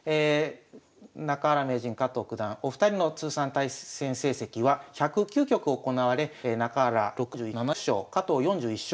中原名人加藤九段お二人の通算対戦成績は１０９局行われ中原６７勝加藤４１勝